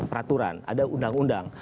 peraturan ada undang undang